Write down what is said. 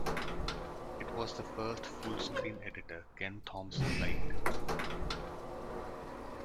It was the first full screen editor Ken Thompson liked.